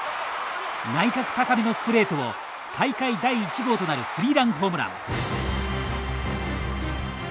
内角高めのストレートを大会第１号となるスリーランホームラン。